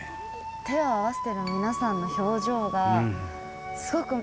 手を合わせてる皆さんの表情がすごく真剣というか